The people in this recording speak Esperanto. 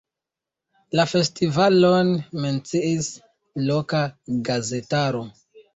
La festivalon menciis loka gazetaro.